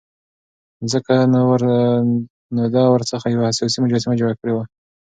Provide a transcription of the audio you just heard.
ځکه نو ده ورڅخه یوه سیاسي مجسمه جوړه کړې وه.